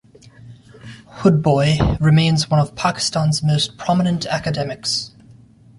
Hoodbhoy remains one of Pakistan's most prominent academics.